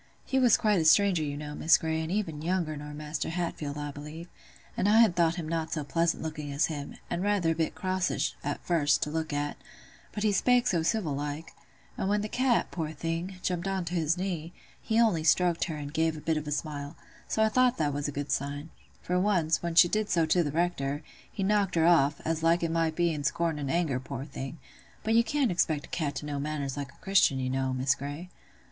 He was quite a stranger, you know, Miss Grey, and even younger nor Maister Hatfield, I believe; and I had thought him not so pleasant looking as him, and rather a bit crossish, at first, to look at; but he spake so civil like—and when th' cat, poor thing, jumped on to his knee, he only stroked her, and gave a bit of a smile: so I thought that was a good sign; for once, when she did so to th' Rector, he knocked her off, like as it might be in scorn and anger, poor thing. But you can't expect a cat to know manners like a Christian, you know, Miss Grey."